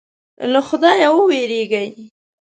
له خدایه وېرېږي.